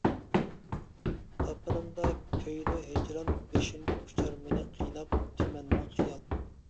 تاپىنىمدا كۆيىدۇ ھىجران بېشىمدا ئۇچار مېنى قىيناپ تۈمەنمىڭ خىيال.